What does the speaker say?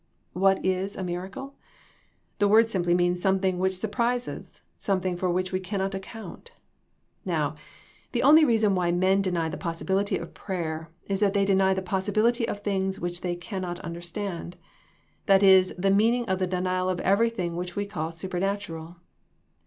What is a miracle? The word simply means something which surprises, something for which we cannot account, i^ow, the only reason why men deny the possibility of prayer is that j they deny the possibility of things which they I cannot understand. That is the meaning of the 'denial of everything which we call supernatural.